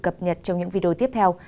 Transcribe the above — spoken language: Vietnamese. cập nhật trong những video tiếp theo